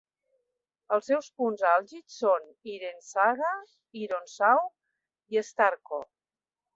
Els seus punts àlgids són "Irensaga". "Iron Saw" i "Starkhorn".